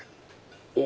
お！